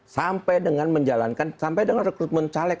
sampai dengan menjalankan sampai dengan rekrutmen caleg